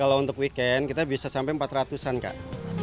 kalau untuk weekend kita bisa sampai empat ratus an kak